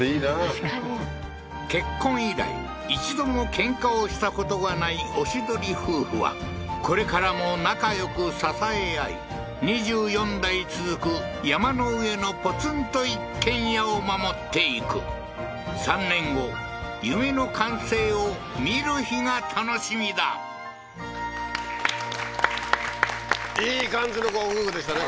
確かに結婚以来一度も喧嘩をしたことがないおしどり夫婦はこれからも仲良く支え合い２４代続く山の上のポツンと一軒家を守っていく３年後夢の完成を見る日が楽しみだいい感じのご夫婦でしたね